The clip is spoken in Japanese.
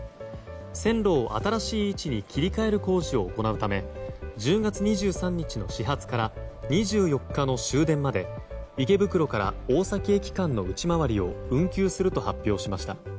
線路を新しい位置に切り替える工事を行うため１０月２３日の始発から２４日の終電まで池袋から大崎駅間の内回りを運休すると発表しました。